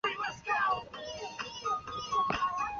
他的外祖父母是瑞典国王卡尔十六世及王后西尔维娅。